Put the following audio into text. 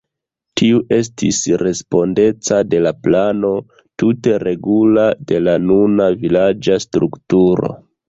Tiu estis respondeca de la plano tute regula de la nuna vilaĝa strukturo.